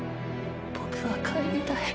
僕は帰りたい。